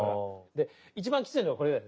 で一番きついのはこれだよね。